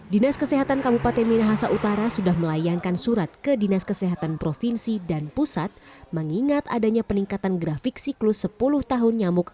dinas kesehatan kabupaten minahasa utara sudah melayangkan surat ke dinas kesehatan provinsi dan pusat mengingat adanya peningkatan grafik siklus sepuluh tahun nyamuk